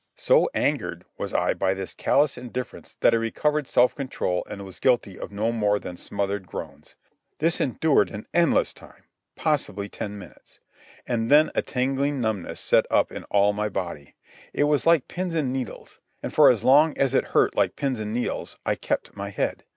So angered was I by this callous indifference that I recovered self control and was guilty of no more than smothered groans. This endured an endless time—possibly ten minutes; and then a tingling numbness set up in all my body. It was like pins and needles, and for as long as it hurt like pins and needles I kept my head.